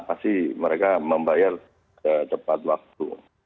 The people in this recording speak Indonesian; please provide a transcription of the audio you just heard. pasti mereka membayar tepat waktu